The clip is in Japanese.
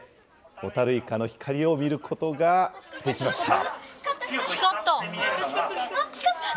ホタルイカの光を見ることができました。